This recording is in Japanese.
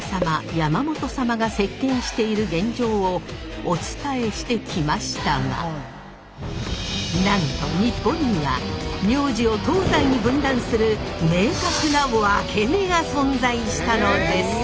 山本様が席けんしている現状をお伝えしてきましたがなんと日本には名字を東西に分断する明確なワケメが存在したのです。